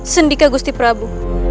sendika gusti prabu